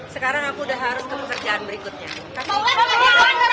sekarang aku udah harus ke pekerjaan berikutnya